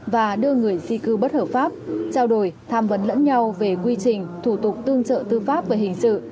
và đưa người di cư bất hợp pháp trao đổi tham vấn lẫn nhau về quy trình thủ tục tương trợ tư pháp về hình sự